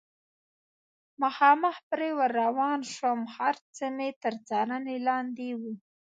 مخامخ پرې ور روان شوم، هر څه مې تر څارنې لاندې و.